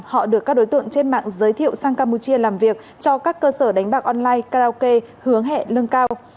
họ được các đối tượng trên mạng giới thiệu sang campuchia làm việc cho các cơ sở đánh bạc online karaoke hướng hẹ lưng cao